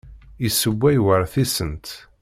Yessewway war tisent.